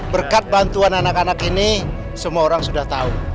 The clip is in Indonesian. berkat bantuan anak anak ini semua orang sudah tahu